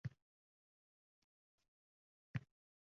O‘z shaxsiy hayot daftaringni yozishingga to‘g‘ri keladi